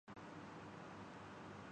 وہ شخصیات کو بھی اگر پرکھتے ہیں۔